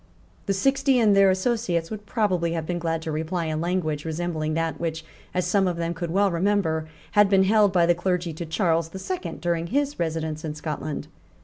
The Sixty and their associates would probably have been glad to reply in language resembling that which, as some of them could well remember, had been held by the clergy to Charles the Second during his residence in Scotland.